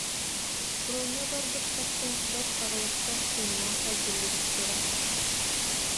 Фроҥҥа барбыттартан бэрт аҕыйахтар тыыннаах эргиллибиттэрэ.